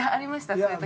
そういう時。